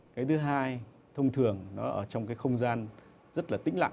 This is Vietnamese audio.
cái thứ hai thông thường nó ở trong cái không gian rất là tĩnh lặng